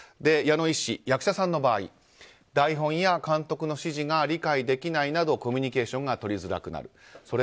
矢野医師、役者さんの場合台本や監督の指示が理解できないなどコミュニケーションがとりづらくなる。